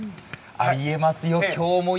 あり得ますよ。